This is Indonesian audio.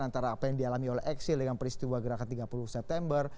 antara apa yang dialami oleh eksil dengan peristiwa gerakan tiga puluh september